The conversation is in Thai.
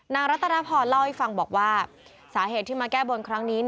รัตนพรเล่าให้ฟังบอกว่าสาเหตุที่มาแก้บนครั้งนี้